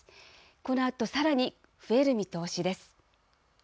このあと、さらに増える見通しです。